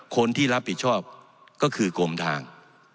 คนที่รับผิดชอบก็คือกรมทาง